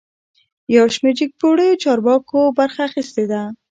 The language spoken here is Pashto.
یوشمیر جګپوړیو چارواکو برخه اخیستې ده